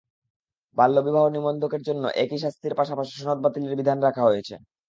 বাল্যবিবাহ নিবন্ধকের জন্য একই শাস্তির পাশাপাশি সনদ বাতিলের বিধান রাখা হয়েছে।